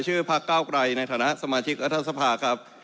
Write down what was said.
ชื่อภาคเก้าไกรในฐานะสมาชิกอธสภาครับ